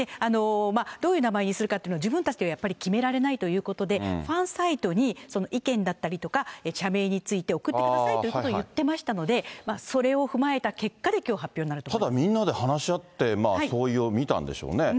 どういう名前にするかっていうのは、自分たちでやっぱり決められないということで、ファンサイトに意見だったりとか、社名について送ってくださいってことを言ってましたので、それを踏まえた結果できょう、ただみんなで話し合って総意を見たんでしょうね。